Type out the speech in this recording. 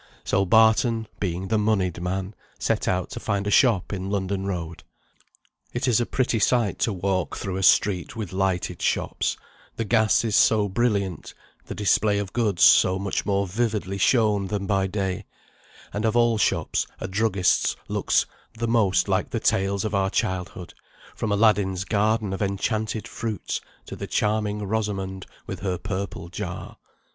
So Barton (being the moneyed man) set out to find a shop in London Road. It is a pretty sight to walk through a street with lighted shops; the gas is so brilliant, the display of goods so much more vividly shown than by day, and of all shops a druggist's looks the most like the tales of our childhood, from Aladdin's garden of enchanted fruits to the charming Rosamond with her purple jar.